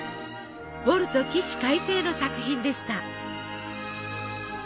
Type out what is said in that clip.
ウォルト起死回生の作品でした。